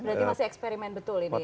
berarti masih eksperimen betul ini